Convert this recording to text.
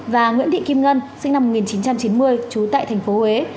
và nguyễn thị kim ngân sinh năm một nghìn chín trăm chín mươi trú tại thành phố huế